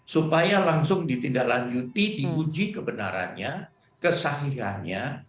supaya langsung ditindaklanjuti diuji kebenarannya kesahihannya